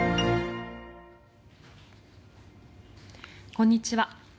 こんにちは。